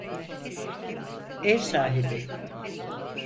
Ev sahibi.